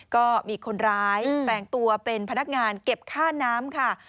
ก็มีคนร้ายแฝงตัวเป็นพนักงานเก็บค่าน้ำค่ะ